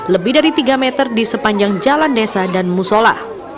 lebih dari tiga meter di sepanjang jalan desa dan musola